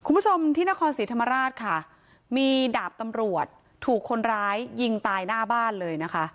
คุณผู้ชมที่นครศรีธรรมราชค่ะมีดาบตำรวจถูกคนร้ายยิงตายหน้าบ้านเลยนะคะ